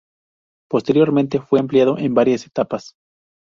Posteriormente fue ampliado en varias etapas.